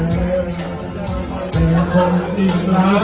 เป็นคนที่รัก